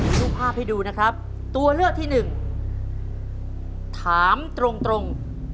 ดูภาพให้ดูนะครับตัวเลือกที่๑ถามตรง